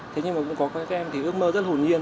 thế nhưng mà cũng có các em thì ước mơ rất hồn nhiên